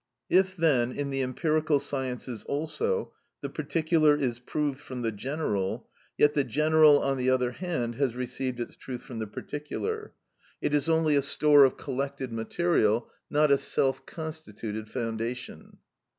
If, then, in the empirical sciences also, the particular is proved from the general, yet the general, on the other hand, has received its truth from the particular; it is only a store of collected material, not a self constituted foundation.